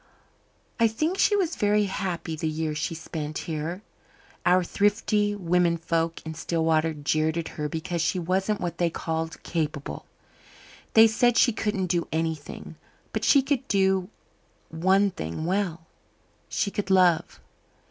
"I think she was very happy the year she spent here. Our thrifty women folk in Stillwater jeered at her because she wasn't what they called capable. They said she couldn't do anything. But she could do one thing well she could love.